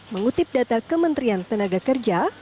mengutip data kementerian tenaga kerja